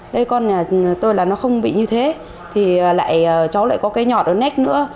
đấy con nhà tôi là nó không bị như thế thì lại cháu lại có cái nhọt ở nách nữa